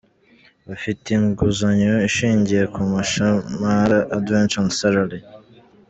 Bafite inguzanyo ishingiye ku mushamara “Advance on Salary”.